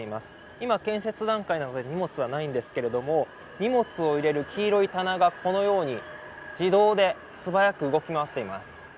今、建設段階なので荷物はないんですけれども、荷物を入れる黄色い棚がこのように自動で素早く動き回っています。